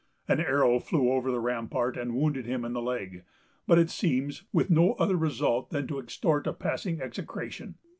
An arrow flew over the rampart and wounded him in the leg; but, it seems, with no other result than to extort a passing execration.